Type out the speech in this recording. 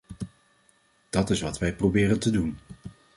Dat is wat wij proberen te doen.